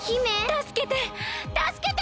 たすけてたすけて！